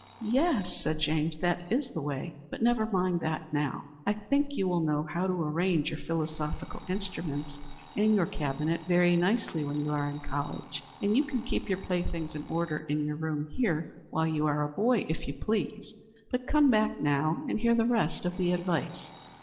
"Yes," said James, "that is the way. But never mind that now. I think you will know how to arrange your philosophical instruments and your cabinet very nicely when you are in college; and you can keep your playthings in order in your room here, while you are a boy, if you please. But come back now and hear the rest of the advice."